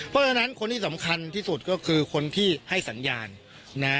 เพราะฉะนั้นคนที่สำคัญที่สุดก็คือคนที่ให้สัญญาณนะ